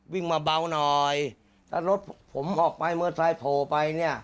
วิ่งมาเบาหน่อยถ้ารถผมออกไปเมอร์ไทรท์โผล่ไป